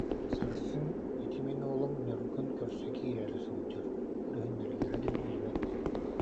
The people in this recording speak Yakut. Сарсын ити мин уолум Ньургун көрсө киирээри сылдьар, көрүһүннэрэллэрэ да биллибэт